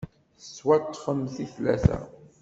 Ttwaṭṭfent i tlata.